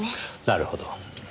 なるほど。